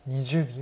２０秒。